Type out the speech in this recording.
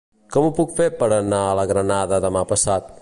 Com ho puc fer per anar a la Granada demà passat?